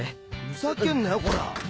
ふざけんなよこら。